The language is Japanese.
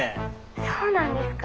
そうなんですか？